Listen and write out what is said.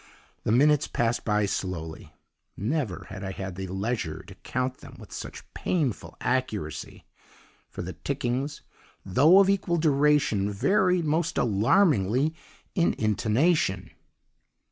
The minutes passed by slowly never had I had the leisure to count them with such painful accuracy; for the tickings, though of equal duration, varied most alarmingly in intonation.